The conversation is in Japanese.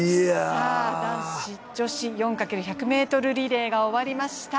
男子、女子４×１００リレーが終わりました。